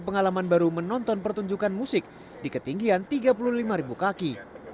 pengalaman baru menonton pertunjukan musik di ketinggian tiga puluh lima kaki